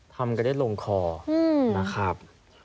ทำกันได้ลงคอนะครับ